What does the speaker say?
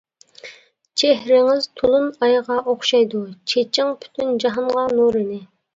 چېھرىڭىز تولۇن ئايغا ئوخشايدۇ، چېچىڭ پۈتۈن جاھانغا نۇرىنى.